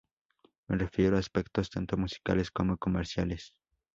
Me refiero a aspectos tanto musicales como comerciales.